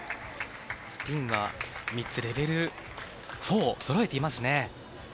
スピンが３つ、レベル４そろえていますね。